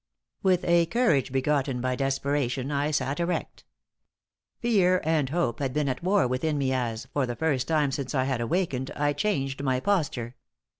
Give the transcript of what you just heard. With a courage begotten by desperation, I sat erect. Fear and hope had been at war within me as, for the first time since I had awakened, I changed my posture.